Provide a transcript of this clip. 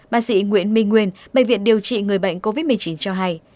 bác sĩ nguyễn minh nguyên bệnh viện điều trị người bệnh covid một mươi chín cho hay